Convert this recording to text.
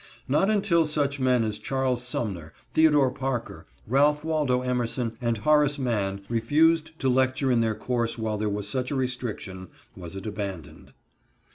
Not until such men as Charles Sumner, Theodore Parker, Ralph Waldo Emerson, and Horace Mann refused to lecture in their course while there was such a restriction, was it abandoned.